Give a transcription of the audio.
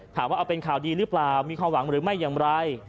ถามว่าเอาเป็นข่าวดีหรือเปล่ามีความหวังหรือไม่อย่างไร